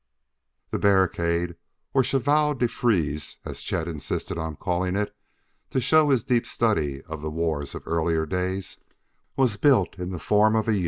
The barricade, or chevaux de frise as Chet insisted upon calling it, to show his deep study of the wars of earlier days, was built in the form of a U.